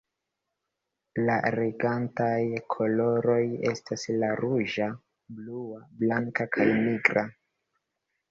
La regantaj koloroj estas la ruĝa, blua, blanka kaj nigra.